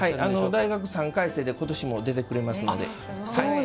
大学３回生で今年も出てくれますので。